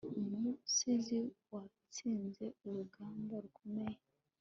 umusizi watsinze urugamba rukomeye